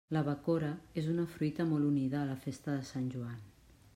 La bacora és una fruita molt unida a la festa de Sant Joan.